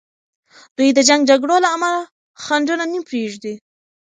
دوی د جنګ جګړو له امله خنډونه نه پریږدي.